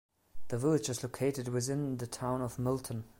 The village is located within the Town of Milltown.